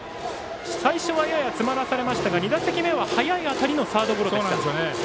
最初はやや詰まらされましたが２打席目は速い当たりのサードゴロでした。